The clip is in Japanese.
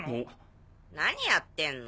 何やってんの？